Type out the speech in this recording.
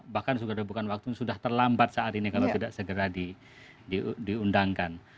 bahkan sudah bukan waktu sudah terlambat saat ini kalau tidak segera diundangkan